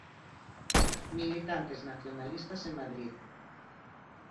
Militantes nacionalistas en Madrid.